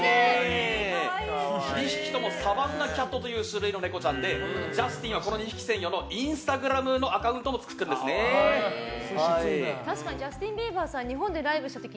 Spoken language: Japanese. ２匹とも、サバンナキャットという種類のネコちゃんでジャスティンはこの２匹専用のインスタグラムのアカウントも確かにジャスティン・ビーバーさん日本でライブした時